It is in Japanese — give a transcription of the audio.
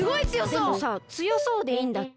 でもさつよそうでいいんだっけ。